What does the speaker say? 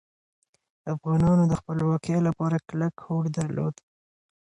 افغانانو د خپلواکۍ لپاره کلک هوډ درلود.